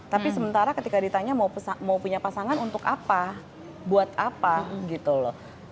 tapi sementara ketika ditanya mau punya pasangan untuk apa buat apa gitu loh